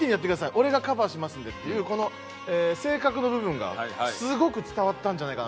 俺がカバーしますんで」っていうこの性格の部分がすごく伝わったんじゃないかなと。